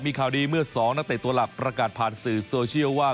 มีข่าวดีเมื่อ๒นักเตะตัวหลักประกาศผ่านสื่อโซเชียลว่า